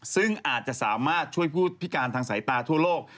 ซึ่งอาจจะสามารถช่วยผู้พิการทางสายตาทั่วโลก